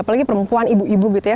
apalagi perempuan ibu ibu gitu ya